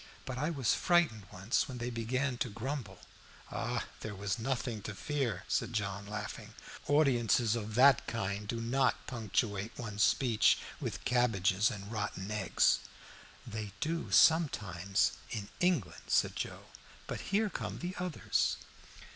But I was frightened once, when they began to grumble." "There was nothing to fear," said John, laughing. "Audiences of that kind do not punctuate one's speeches with cabbages and rotten eggs." "They do sometimes in England," said Joe. "But here come the others!"